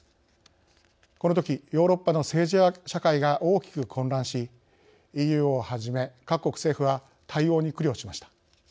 このときヨーロッパの政治や社会が大きく混乱しＥＵをはじめ各国政府は対応に苦慮しました。